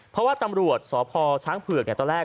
เพราะว่าตำรวจสพช้างเผือกตอนแรก